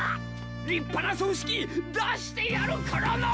立派な葬式出してやるからな！